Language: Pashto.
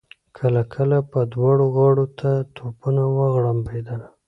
کله کله به دواړو غاړو ته توپونه وغړمبېدل.